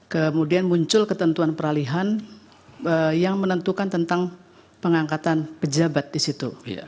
kemudian muncul ketentuan peralihan yang menentukan tentang pengangkatan pejabat di situ